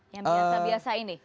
yang biasa biasa ini